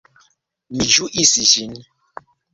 Mi ĝuis ĝin.